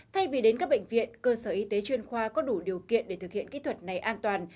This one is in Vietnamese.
thay vì đến các bệnh viện cơ sở y tế chuyên khoa có đủ điều kiện để thực hiện kỹ thuật này an toàn